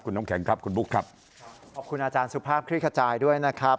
คุณน้ำแข็งครับคุณบุ๊คครับขอบคุณอาจารย์สุภาพคลิกขจายด้วยนะครับ